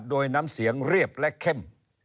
โดยน้ำเสียงเรียบและเข้ม